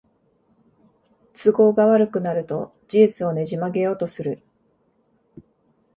都合が悪くなると事実をねじ曲げようとする